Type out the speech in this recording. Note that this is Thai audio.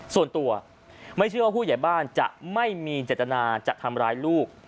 ส่วนตัวไม่เชื่อว่าผู้ใหญ่บ้านจะไม่มีเจตนาจะทำร้ายลูก